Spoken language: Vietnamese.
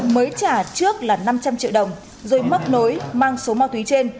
mới trả trước là năm trăm linh triệu đồng rồi móc nối mang số ma túy trên